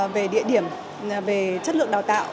về địa điểm về chất lượng đào tạo